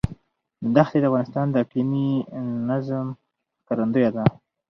دښتې د افغانستان د اقلیمي نظام ښکارندوی ده.